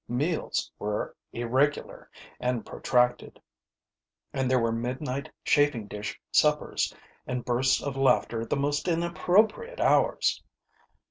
Meals were irregular and protracted, and there were midnight chafing dish suppers and bursts of laughter at the most inappropriate hours.